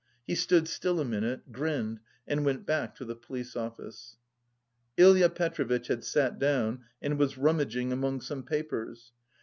He stood still a minute, grinned and went back to the police office. Ilya Petrovitch had sat down and was rummaging among some papers.